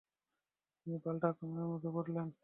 তিনি পাল্টা আক্রমণের মুখে পড়লেন।